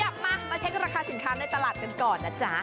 กลับมามาเช็คราคาสินค้าในตลาดกันก่อนนะจ๊ะ